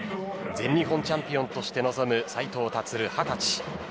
全日本チャンピオンとして臨む斉藤立、２０歳。